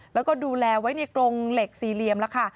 แล้วก็ดูแลไว้ในกรงเหล็กสี่เหลี่ยมแล้วค่ะ